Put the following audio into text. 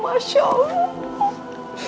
masya allah nus